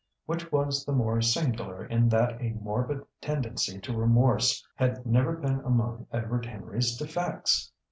Which was the more singular in that a morbid tendency to remorse had never been among Edward Henry's defects!